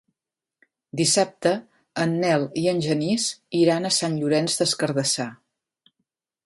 Dissabte en Nel i en Genís iran a Sant Llorenç des Cardassar.